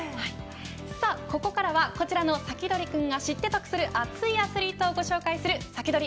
さあここからはこちらのサキドリくんが知って得する熱いアスリートを紹介するサキドリ！